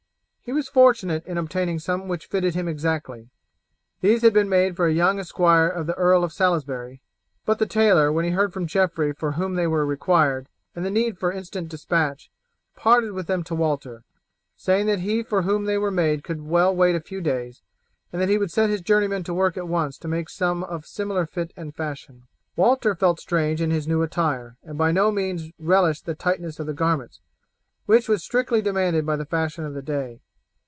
He was fortunate in obtaining some which fitted him exactly. These had been made for a young esquire of the Earl of Salisbury; but the tailor, when he heard from Geoffrey for whom they were required, and the need for instant despatch, parted with them to Walter, saying that he for whom they were made could well wait a few days, and that he would set his journeymen to work at once to make some more of similar fit and fashion. Walter felt strange in his new attire, and by no means relished the tightness of the garments, which was strictly demanded by the fashion of the day.